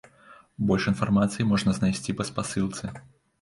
Больш інфармацыі можна знайсці па спасылцы.